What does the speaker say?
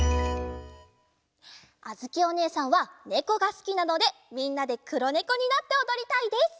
あづきおねえさんはねこがすきなのでみんなでくろねこになっておどりたいです！